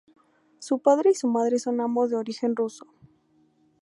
Su padre y su madre son ambos de origen ruso.